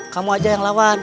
kamu aja yang lawan